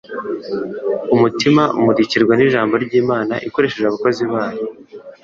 Umutima umurikirwa n'Ijambo ry'Imana, ikoresheje abakozi bayo